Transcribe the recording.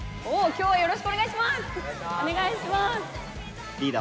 よろしくお願いします。